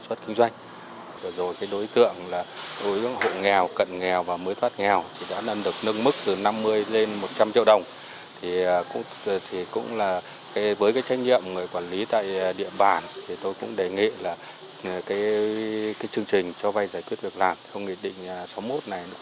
xuất kinh doanh rồi cái đối tượng là đối với hộ nghèo cận nghèo và mới thoát nghèo đã nâng được